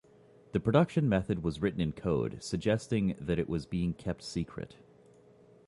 The production method was written in code, suggesting that it was being kept secret.